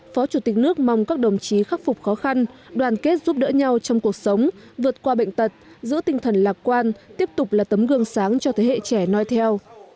phó chủ tịch nước mong các đồng chí khắc phục khó khăn đoàn kết giúp đỡ nhau trong cuộc sống vượt qua bệnh tật giữ tinh thần lạc quan tiếp tục là tấm gương sáng cho thế hệ trẻ nói theo